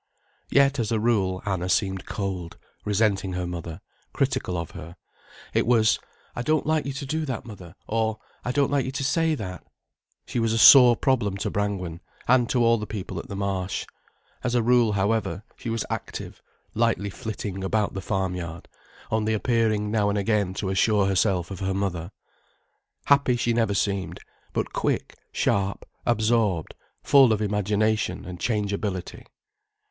Yet as a rule, Anna seemed cold, resenting her mother, critical of her. It was: "I don't like you to do that, mother," or, "I don't like you to say that." She was a sore problem to Brangwen and to all the people at the Marsh. As a rule, however, she was active, lightly flitting about the farmyard, only appearing now and again to assure herself of her mother. Happy she never seemed, but quick, sharp, absorbed, full of imagination and changeability.